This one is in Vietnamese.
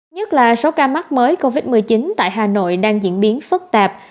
nhất là số ca mắc mới covid một mươi chín tại hà nội đang diễn biến phức tạp